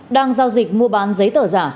đang giao dịch mua bán giấy tờ giả